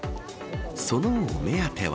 そのお目当ては。